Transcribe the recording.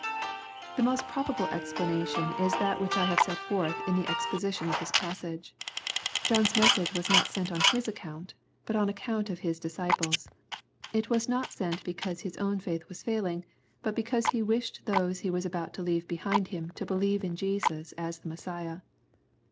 The most probable explanation is that which I have set forth in the exposition of the passage. John's message was not sent on hia account^ but on account of his disciples. It was not sent because Lis own faith was failing, but because he vnshed those he was about to leave behind him to believe in Jesus as the Messiah.